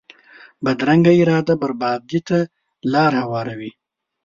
بدرنګه اراده بربادي ته لار هواروي